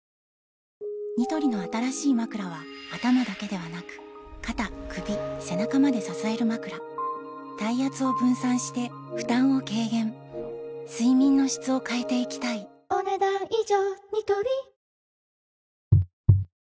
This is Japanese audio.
ニトリの新しいまくらは頭だけではなく肩・首・背中まで支えるまくら体圧を分散して負担を軽減睡眠の質を変えていきたいお、ねだん以上。